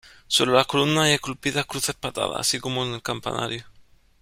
Sobre las columnas hay esculpidas cruces patadas, así como en el campanario.